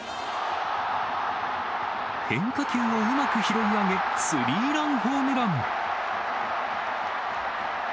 変化球をうまく拾い上げ、スリーランホームラン。